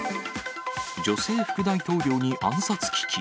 女性副大統領に暗殺危機。